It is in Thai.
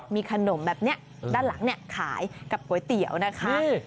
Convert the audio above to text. มีขนมแบบนี้ด้านหลังขายกับก๋วยเตี๋ยวนะคะ